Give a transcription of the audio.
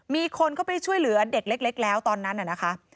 มีคนเข้าไปช่วยเหลือเด็กเล็กแล้วตอนนั้นน่ะนะคะ